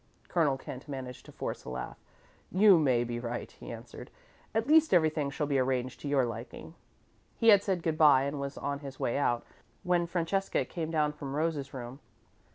Colonel Kent managed to force a laugh. "You may be right," he answered. "At least, everything shall be arranged to your liking." He had said good bye and was on his way out, when Francesca came down from Rose's room.